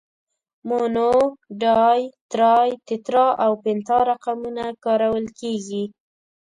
مونو، ډای، ترای، تترا او پنتا رقمونه کارول کیږي.